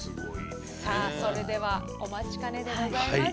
さあそれではお待ちかねでございます。